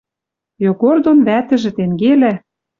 Йогор дон вӓтӹжӹ тенгелӓ